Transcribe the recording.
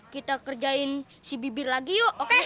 kita kerjain si bibir lagi yuk